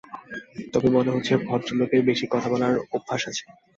তবে মনে হচ্ছে, ভদ্রলোকের বেশি কথা বলার অভ্যাস আছে।